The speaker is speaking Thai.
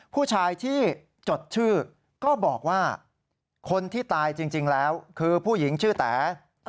ผู้ชายที่จดชื่อก็บอกว่าคนที่ตายจริงแล้วคือผู้หญิงชื่อแต๋